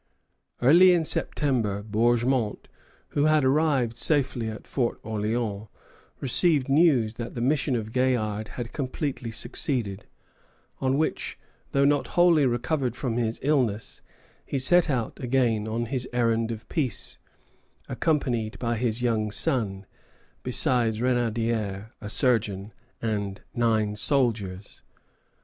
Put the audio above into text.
Early in September, Bourgmont, who had arrived safely at Fort Orléans, received news that the mission of Gaillard had completely succeeded; on which, though not wholly recovered from his illness, he set out again on his errand of peace, accompanied by his young son, besides Renaudière, a surgeon, and nine soldiers.